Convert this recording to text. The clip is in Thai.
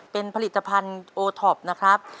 เป็นผลิตภัณฑ์โอท็อปนะครับ